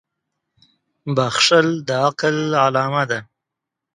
• بښل د عقل علامه ده.